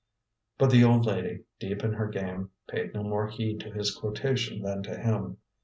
But the old lady, deep in her game, paid no more heed to his quotation than to him.